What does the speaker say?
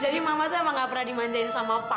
jadi mama tuh apa gak pernah dimanjain sama papa